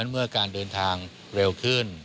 เมื่อการเดินทางเร็วขึ้น